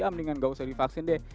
ah mendingan nggak usah divaksin deh